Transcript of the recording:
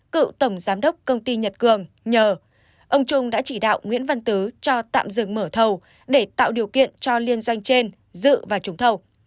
cựu tổng giám đốc công ty nhật cường nhờ ông trung đã chỉ đạo nguyễn văn tứ cho tạm dừng mở thầu để tạo điều kiện cho liên doanh trên dự và trúng thầu